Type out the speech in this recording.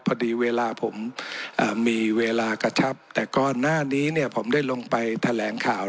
พอดีเวลาผมมีเวลากระชับแต่ก่อนหน้านี้เนี่ยผมได้ลงไปแถลงข่าว